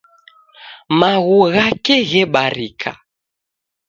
Maghu ghake ghebarika.